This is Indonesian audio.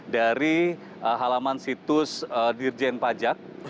dari halaman situs dirjen pajak